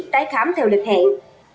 tái khám theo lịch hẹn